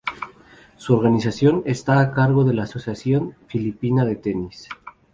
Su organización está a cargo de la Asociación Filipina de Tenis.